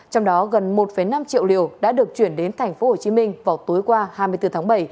trong đó gần một năm triệu liều đã được chuyển đến tp hcm vào tối qua hai mươi bốn tháng bảy